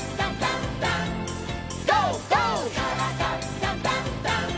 「からだダンダンダン」